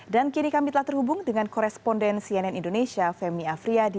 dan kini kami telah terhubung dengan koresponden cnn indonesia femi afriyadi